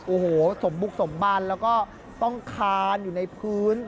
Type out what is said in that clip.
โอ้โหสมบุกสมบันแล้วก็ต้องคานอยู่ในพื้น